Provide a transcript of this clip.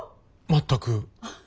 全く。